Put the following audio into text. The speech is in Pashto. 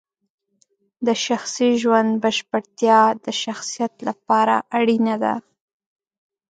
د شخصي ژوند بشپړتیا د شخصیت لپاره اړینه ده.